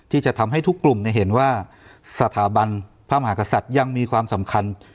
ที่จะทำให้ทุกกลุ่มเห็นว่าสถาบันพระมหากษัตริย์ยังมีความสำคัญ